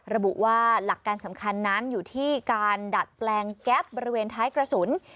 ระบุว่าหลักการสำคัญนั้นอยู่ที่การดัดแปลงแก๊ปบริเวณท้ายกระสุน